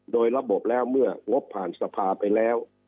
โดยระบบแล้วเมื่องบผ่านสภาไปแล้ว